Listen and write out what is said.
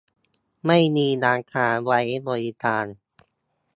ไม่มีร้านค้าไว้บริการ